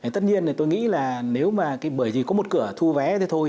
tất nhiên tôi nghĩ là nếu mà bởi vì có một cửa thu vé thì thôi